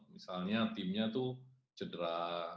misalnya timnya tuh cedera